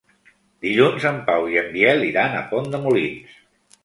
Dilluns en Pau i en Biel iran a Pont de Molins.